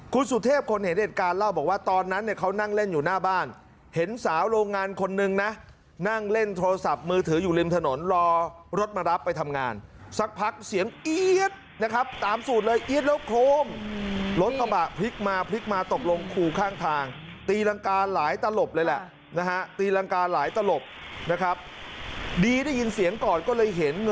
คุณสุเทพคนเห็นเหตุการณ์เล่าบอกว่าตอนนั้นเนี่ยเขานั่งเล่นอยู่หน้าบ้านเห็นสาวโรงงานคนนึงนะนั่งเล่นโทรศัพท์มือถืออยู่ริมถนนรอรถมารับไปทำงานสักพักเสียงเอี๊ยดนะครับตามสูตรเลยเอี๊ดแล้วโครมรถกระบะพลิกมาพลิกมาตกลงคูข้างทางตีรังกาหลายตลบเลยแหละนะฮะตีรังกาหลายตลบนะครับดีได้ยินเสียงก่อนก็เลยเห็น